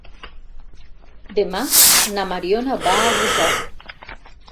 Demà na Mariona va a Busot.